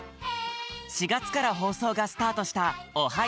４がつから放送がスタートした「オハ！